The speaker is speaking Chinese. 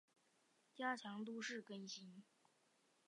加强都市更新